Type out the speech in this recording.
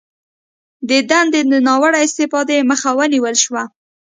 د دندې د ناوړه استفادې مخه ونیول شوه